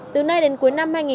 thì mua bán qua điện thoại